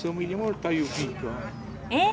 えっ？